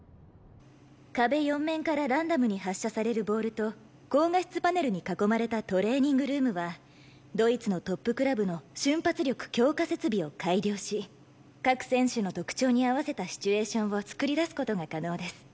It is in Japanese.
壁４面からランダムに発射されるボールと高画質パネルに囲まれたトレーニングルームはドイツのトップクラブの瞬発力強化設備を改良し各選手の特徴に合わせたシチュエーションを作り出す事が可能です。